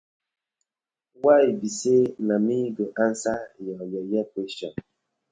Why bi say na mi go answering yah yeye questioning.